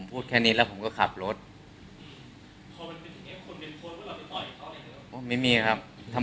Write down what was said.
พูดมาอะไรผมก็ขับรถต่อไม่มีอะไร